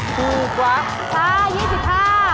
ใช่๒๕บาท